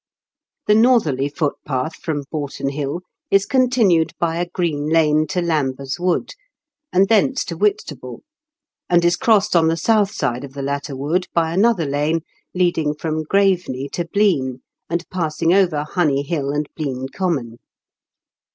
The northerly foot path from Boughton Hill is continued by a green lane to Lamber's Wood, and thence to Whitstable, and is crossed on the south side of the latter wood by another lane, leading from Graveney to Blean, and passing over Honey Hill and Blean Common.